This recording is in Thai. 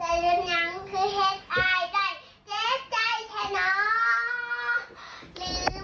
แต่ยังงั้นคือเหตุอายใจเจ็บใจแค่น้อ